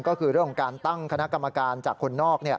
ก็คือเรื่องของการตั้งคณะกรรมการจากคนนอก